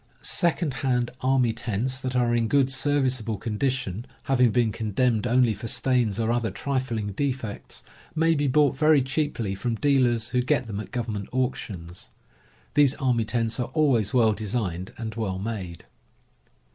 Second hand army tents that are in good, serviceable condi tion, having been condemned only for stains or other trifling defects, may be bought very cheaply from deal ers who get them at government auctions. These army tents are always well designed and well made.